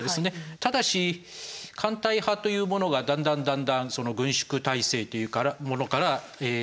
ただし艦隊派というものがだんだんだんだん軍縮体制というものから日本が離脱していこうと。